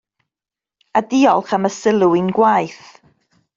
A diolch am y sylw i'n gwaith.